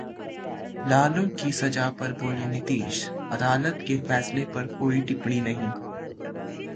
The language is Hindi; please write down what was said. लालू की सजा पर बोले नीतीश- अदालत के फैसले पर कोई टिप्पणी नहीं